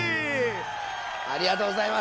ありがとうございます。